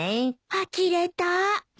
あきれた。